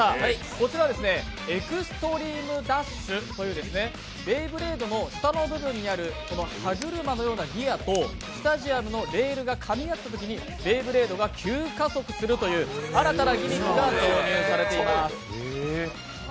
こちらはエクストリームダッシュというベイブレードの下の部分にある歯車のようなギアをレールがかみ合ったときにベイブレードが急加速するという新たなギミックが導入されています。